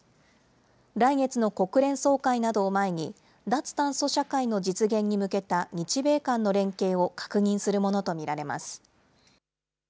来月の国連総会などを前に、脱炭素社会の実現に向けた日米間の連携を確認するものと見られます。